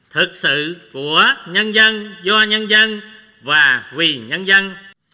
thực sự của nhân dân do nhân dân và vì nhân dân